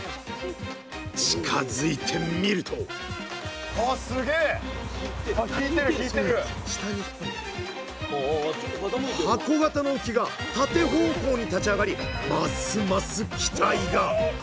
近づいてみると箱型の浮きが縦方向に立ち上がりますます期待が！